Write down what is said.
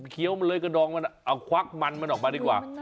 เคี้ยวมันเลยกระดองมันเอาควักมันมันออกมาดีกว่า